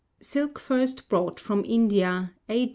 [SILK FIRST BROUGHT FROM INDIA A.